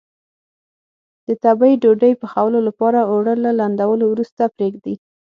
د تبۍ ډوډۍ پخولو لپاره اوړه له لندولو وروسته پرېږدي.